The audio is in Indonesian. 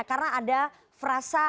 karena ada frasa